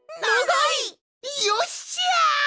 いよっしゃ！